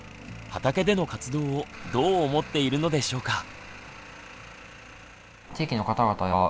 畑での活動をどう思っているのでしょうか。